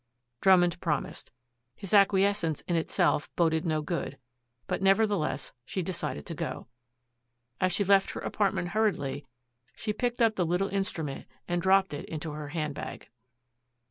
Drummond promised. His acquiescence in itself boded no good, but nevertheless she decided to go. As she left her apartment hurriedly she picked up the little instrument and dropped it into her hand bag.